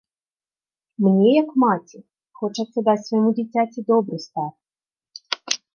Мне, як маці, хочацца даць свайму дзіцяці добры старт.